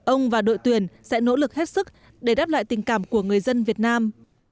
ông và đội tuyển sẽ nỗ lực hết sức để đáp lại tình cảm của người dân việt nam